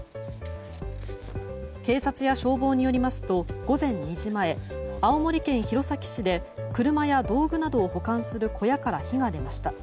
警察や消防によりますと午前２時前青森県弘前市で車や道具などを保管する小屋から火が出ました。